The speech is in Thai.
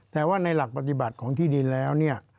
แต่ว่าในหลักปฏิบัติของที่ดินแล้วเนี่ย